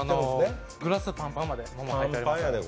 グラスパンパンまで桃が入っております。